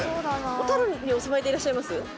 小樽にお住まいでいらっしゃいます？